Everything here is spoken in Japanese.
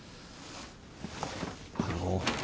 あの。